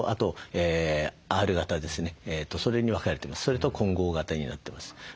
それと混合型になってます。